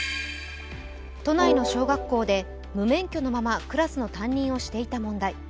都内の小学校で無免許のままクラスの担任をしていた問題。